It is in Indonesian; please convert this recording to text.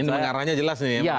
ini pengarahnya jelas nih ya